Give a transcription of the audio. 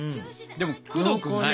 でもくどくない。